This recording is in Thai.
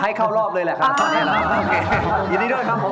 ให้เข้ารอบเลยแหละครับยินดีด้วยครับผม